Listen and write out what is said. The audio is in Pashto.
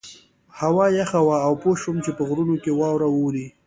هوا یخه وه او پوه شوم چې په غرونو کې واوره وورې.